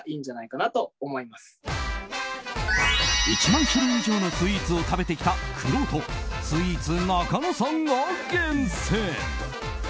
１万種類以上のスイーツを食べてきた、くろうとスイーツなかのさんが厳選。